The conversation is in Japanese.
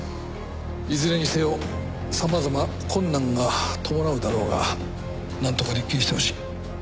いずれにせよ様々困難が伴うだろうがなんとか立件してほしい。